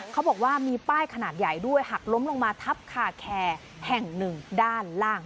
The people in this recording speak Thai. เขาบอกว่ามีป้ายขนาดใหญ่ด้วยหักล้มลงมาทับคาแคร์แห่งหนึ่งด้านล่าง